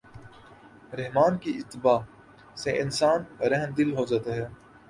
رحمٰن کی اتباع سے انسان رحمدل ہو جاتا ہے۔